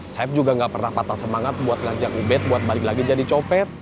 saya juga gak pernah patah semangat buat belanja ubed buat balik lagi jadi copet